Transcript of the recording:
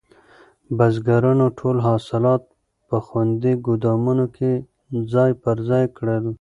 بزګرانو ټول حاصلات په خوندي ګودامونو کې ځای پر ځای کړل.